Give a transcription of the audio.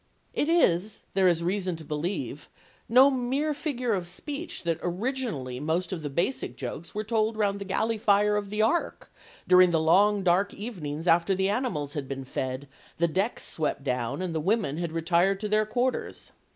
It is, there is reason to believe, no mere figure of speech that originally most of the basic jokes were told round the galley fire of the Ark during the long dark evenings after the animals had been fed, the decks swept down, and the women had retired to their quarters.